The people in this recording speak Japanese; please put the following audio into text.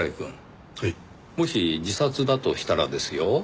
もし自殺だとしたらですよ